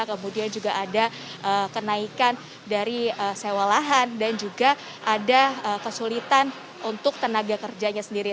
kemudian juga ada kenaikan dari sewa lahan dan juga ada kesulitan untuk tenaga kerjanya sendiri